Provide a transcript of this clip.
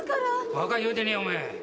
バカ言うでねえお前。